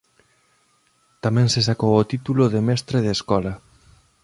Tamén se sacou o título de mestre de escola.